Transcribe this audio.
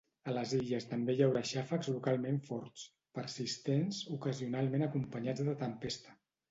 A les Illes també hi haurà xàfecs localment forts, persistents, ocasionalment acompanyats de tempesta.